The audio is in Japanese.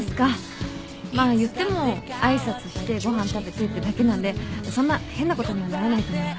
まあ言っても挨拶してご飯食べてってだけなんでそんな変なことにはならないと思います。